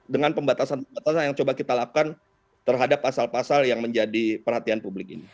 dengan pembatasan pembatasan yang coba kita lakukan terhadap pasal pasal yang menjadi perhatian publik ini